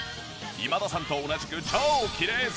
今田さんと同じく超きれい好き。